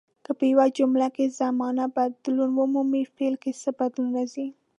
که په یوه جمله کې زمانه بدلون ومومي فعل کې څه بدلون راځي.